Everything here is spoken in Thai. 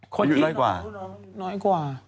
คนที่น้อยกว่า